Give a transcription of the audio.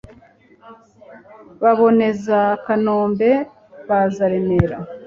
Baboneza Kanombe baza Remera